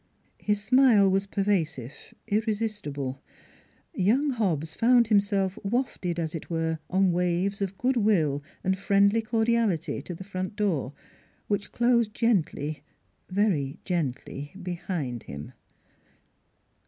" His smile was pervasive, irresistible. Young Hobbs found himself wafted, as it were, on waves of good will and friendly cordiality to the front door, which closed gently very gently behind him.